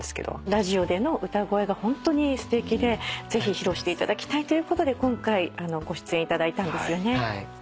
ラジオでの歌声がホントにすてきでぜひ披露していただきたいということで今回ご出演いただいたんですよね。